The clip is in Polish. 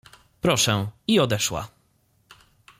— Proszę — i odeszła.